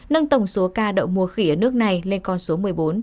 nâng tổng số ca đậu mùa khỉ ở nước này lên con số một mươi bốn